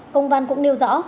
công văn cũng nêu rõ